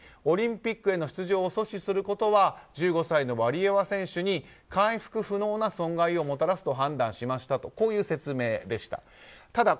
オリンピックへの出場を阻止することは１５歳のワリエワ選手に回復不能な損害をもたらすと判断しましたとこういう説明でした。